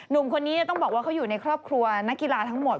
หนุ่มคนนี้ต้องบอกว่าเขาอยู่ในครอบครัวนักกีฬาทั้งหมด